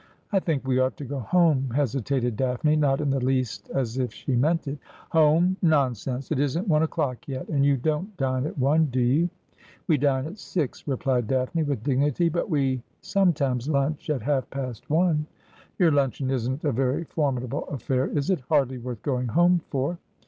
' I think we ought to go home,' hesitated Daphne, not in the least as if she meant it. ' Home ! nonsense. It isn't one o'clock yet ; and you don't dine at one, do you ?'' We dine at six,' replied Daphne with dignity, ' but we some times lunch at half past one.' ' Your luncheon isn't a very formidable afEair, is it — hardly worth going home for